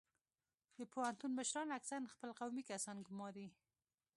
د پوهنتون مشران اکثرا خپل قومي کسان ګماري